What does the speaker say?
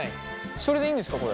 それでいいんですかこれ。